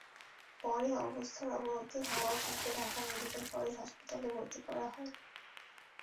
পরে অবস্থার অবনতি হওয়ায় তাঁকে ঢাকা মেডিকেল কলেজ হাসপাতালে ভর্তি করা হয়।